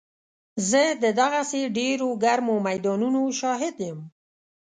زه د دغسې ډېرو ګرمو میدانونو شاهد یم.